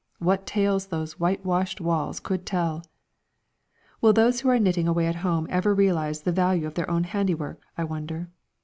What tales those whitewashed walls could tell! Will those who are knitting away at home ever realise the value of their own handiwork, I wonder?